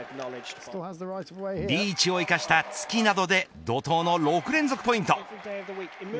リーチを生かした突きなどで怒とうの６連続ポイント。